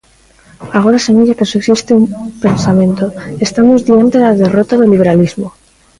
Agora semella que só existe un pensamento, estamos diante da derrota do liberalismo.